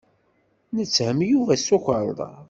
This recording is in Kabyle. Netthem Yuba s tukerḍa.